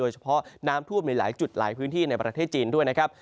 เฉพาะน้ำท่วมในหลายจุดหลายพื้นที่ในประเทศจีนด้วยนะครับ